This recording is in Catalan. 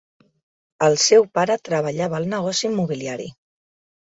El seu pare treballava al negoci immobiliari.